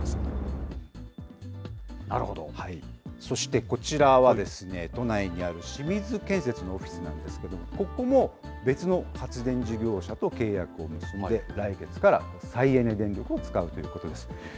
そして、こちらは都内にある清水建設のオフィスなんですけれども、ここも、別の発電事業者と契約を結んで、来月から再エネ電力を使うということです。